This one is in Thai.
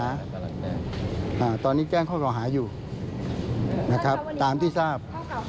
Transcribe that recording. อันนี้ยังไม่มีการเลี่ยง